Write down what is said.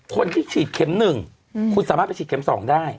คนที่ฉีดเข็ม๑คุณสามารถไปฉีดเข็ม๒ได้